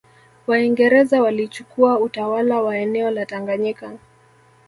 Waingereza walichukua utawala wa eneo la Tanganyika